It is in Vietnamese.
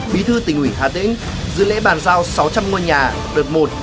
bí thư tỉnh ủy hà tĩnh dự lễ bàn giao sáu trăm linh ngôi nhà đợt một